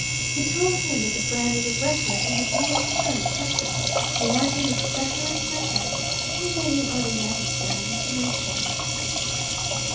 He told him that the brand was of record in McMullen County, Texas, warned him of special inspectors, and gave him other necessary information.